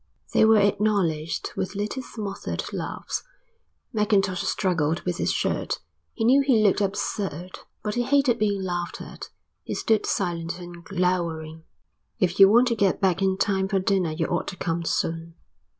They were acknowledged with little smothered laughs. Mackintosh struggled with his shirt. He knew he looked absurd, but he hated being laughed at. He stood silent and glowering. "If you want to get back in time for dinner you ought to come soon."